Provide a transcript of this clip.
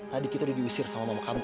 tadi kita udah diusir sama mama kamu